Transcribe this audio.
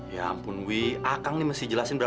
ya ampun wi saya harus menjelaskan kamu